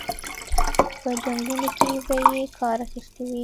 په جنګونو کې به یې کار اخیستی وي.